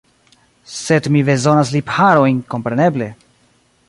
Sed mi bezonas lipharojn, kompreneble.